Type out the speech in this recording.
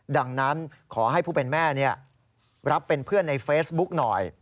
ดังนั้นขอให้ผู้เป็นแม่รับเป็นเพื่อนในเฟซบุ๊กหน่อย